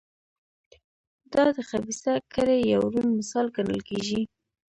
دا د خبیثه کړۍ یو روڼ مثال ګڼل کېږي.